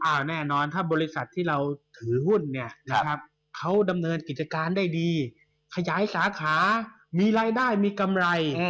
แน่นอนถ้าบริษัทที่เราถือหุ้นเนี่ยนะครับเขาดำเนินกิจการได้ดีขยายสาขามีรายได้มีกำไร